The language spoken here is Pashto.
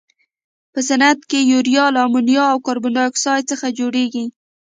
په صنعت کې یوریا له امونیا او کاربن ډای اکسایډ څخه جوړیږي.